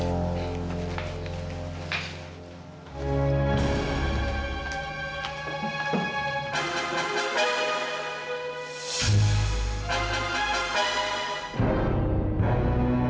oh kacau sama mau pesen minum dia